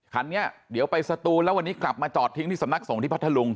คันนี้เดี๋ยวไปสตูนแล้ววันนี้กลับมาจอดทิ้งที่สำนักส่งที่พัทธลุง